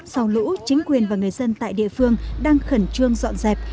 sau lũ chính quyền và người dân tại địa phương đang khẩn trương dọn dẹp